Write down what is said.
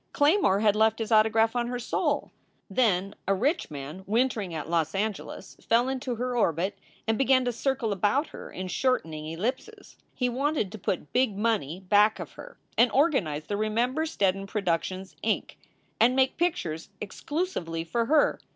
Claymore had left his autograph on her soul. Then a rich man wintering at Los Angeles fell into her orbit and began to circle about her in shortening ellipses. He wanted to put big money " back of her and organize The Remember Steddon Productions, Inc., and make pictures exclusively for her.